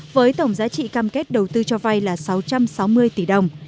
với tổng giá trị cam kết đầu tư cho vay là sáu trăm sáu mươi tỷ đồng